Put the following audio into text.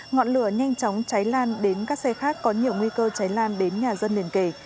ngọn lửa nhanh chóng cháy lan đến các xe khác có nhiều nguy cơ cháy lan đến nhà dân liền kể